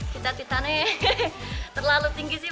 cita citanya terlalu tinggi sih